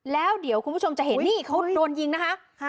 แล้วเดี๋ยวคุณผู้ชมจะเห็นนี่เขาโดนยิงนะคะ